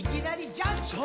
ジャンプ。